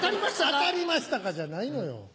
「当たりましたか？」じゃないのよ。